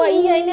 ada siapa itu